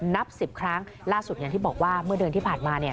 นับ๑๐ครั้งล่าสุดอย่างที่บอกว่าเมื่อเดือนที่ผ่านมาเนี่ย